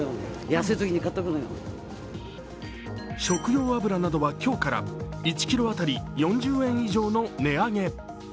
食用油などは今日から１ｋｇ当たり４０円以上の値上げ。